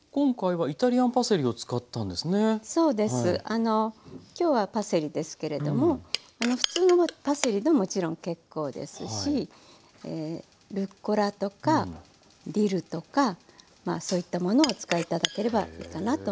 あの今日はパセリですけれども普通のパセリでももちろん結構ですしルッコラとかディルとかまあそういったものをお使い頂ければいいかなと思います。